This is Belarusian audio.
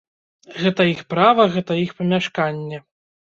Гэта іх права, гэта іх памяшканне.